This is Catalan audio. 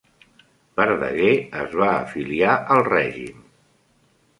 Verdaguer es va afiliar al règim